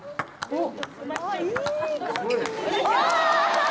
おっ！